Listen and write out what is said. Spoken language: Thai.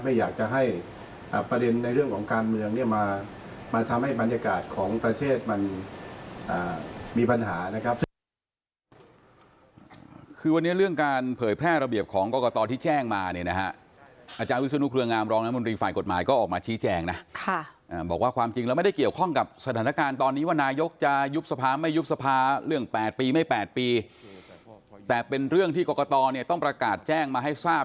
อยากจะให้ประเด็นในเรื่องของการเมืองเนี่ยมาทำให้บรรยากาศของประเทศมันมีปัญหานะครับ